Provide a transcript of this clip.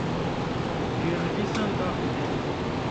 Jêrnivîsan daxîne.